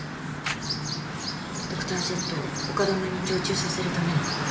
ドクタージェットを丘珠に常駐させるための提案です。